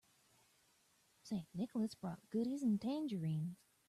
St. Nicholas brought goodies and tangerines.